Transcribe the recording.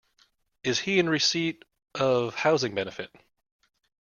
Is he in receipt of housing benefit?